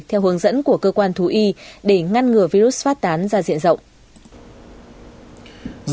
theo hướng dẫn của cơ quan thú y để ngăn ngừa virus phát tán ra diện rộng